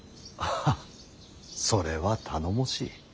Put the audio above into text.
ハハッそれは頼もしい。